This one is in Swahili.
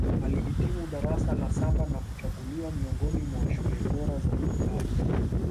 Alihitimu darasa la saba na kuchaguliwa miongoni mwa shule bora za vipaji